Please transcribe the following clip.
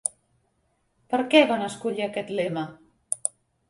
Per què van escollir aquest lema?